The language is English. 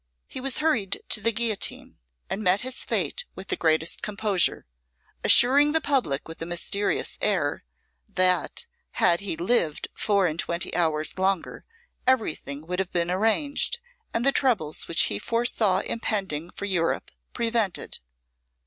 He was hurried to the guillotine, and met his fate with the greatest composure, assuring the public with a mysterious air, that had he lived four and twenty hours longer everything would have been arranged, and the troubles which he foresaw impending for Europe prevented.